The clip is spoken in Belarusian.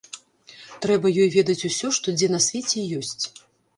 Трэба ёй ведаць усё, што дзе на свеце ёсць.